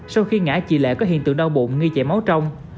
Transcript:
sau khi ngã chị lệ có hiện tượng đau bụng nghi chảy máu trong